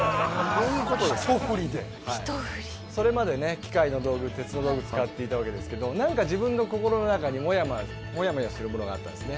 それまでね機械の道具鉄の道具使っていたわけですけどなんか自分の心の中にモヤモヤするものがあったんですね。